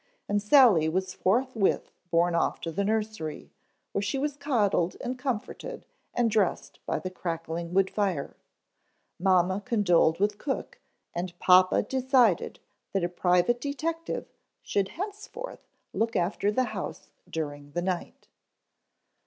And Sally was forthwith borne off to the nursery, where she was coddled and comforted and dressed by the crackling wood fire. Mamma condoled with cook and papa decided that a private detective should henceforth look after the house during the night.